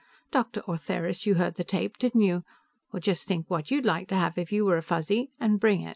Dr. Ortheris, you heard the tape, didn't you? Well, just think what you'd like to have if you were a Fuzzy, and bring it."